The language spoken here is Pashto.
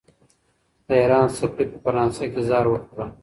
د ایران سفیر په فرانسه کې زهر وخوړل.